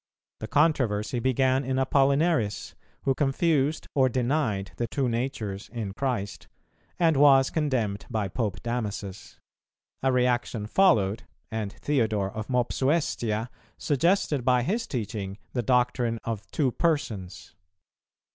The controversy began in Apollinaris, who confused or denied the Two Natures in Christ, and was condemned by Pope Damasus. A reaction followed, and Theodore of Mopsuestia suggested by his teaching the doctrine of Two Persons.